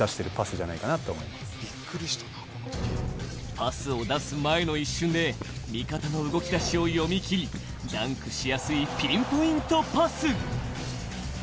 パスを出す前の一瞬で味方の動きだしを読み切り、ダンクしやすいピンポイントパス。